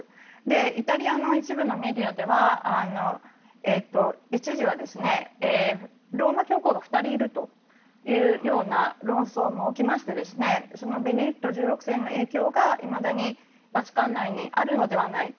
イタリアの一部のメディアでは一時は、ローマ教皇が２人いるというような論争もおきましてベネディクト１６世の影響がいまだにバチカン内にあるのではないか。